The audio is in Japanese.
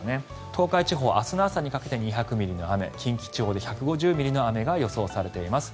東海地方明日の朝にかけて２００ミリの雨近畿地方で１５０ミリの雨が予想されています。